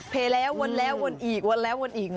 ปีบ่อยแล้ววนอีกวนอีก